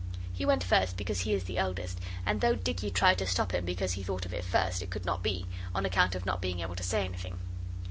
He went first because he is the eldest, and though Dicky tried to stop him because he thought of it first it could not be, on account of not being able to say anything.